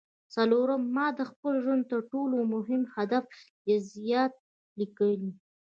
څلورم ما د خپل ژوند د تر ټولو مهم هدف جزييات ليکلي.